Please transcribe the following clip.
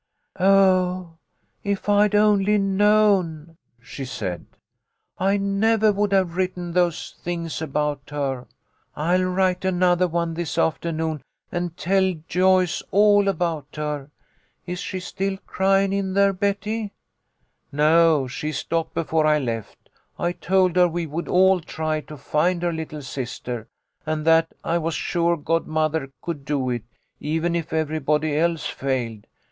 "Oh, if I'd only known," she said, "I never would have written those things about her. I'll write another one this afternoon, and tell Joyce all about her. Is she still crying in there, Betty?" "No, she stopped before I left. I told her we would all try to find her little sister, and that I was sure godmother could do it, even if everybody else failed.